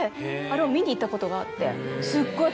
あれを見に行ったことがあって。